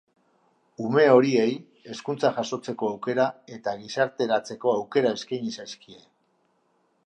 Ume horiei hezkuntza jasotzeko aukera eta gizarteratzeko aukera eskaini zaizkie.